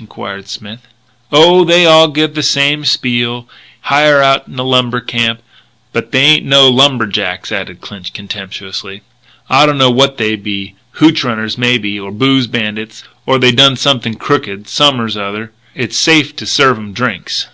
enquired Smith. "Oh, they all give the same spiel hire out in a lumber camp. But they ain't no lumberjacks," added Clinch contemptuously. "I don't know what they be hootch runners maybe or booze bandits or they done something crooked som'ers r'other. It's safe to serve 'em drinks."